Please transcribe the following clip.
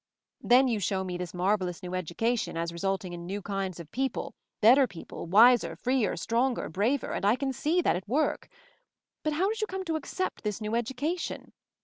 Then you show me this marvellous new education, as resulting in new kinds of people, better people, wiser, freer, stronger, braver; and I can see that at work. But how did you come to accept this new education?